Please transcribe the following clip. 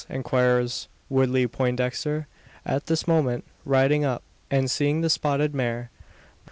inquires Woodley Poindexter, at this moment, riding up, and seeing the spotted mare.